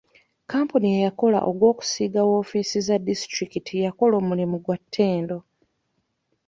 Kampuni eyakola ogw'okusiiga woofiisi za disitulikiti yakola omulimu ogw'ettendo.